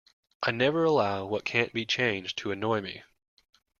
I never allow what can't be changed to annoy me.